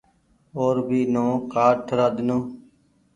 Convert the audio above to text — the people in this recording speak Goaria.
او ر ڀي نئو ڪآرڊ ٺرآ ۮينو۔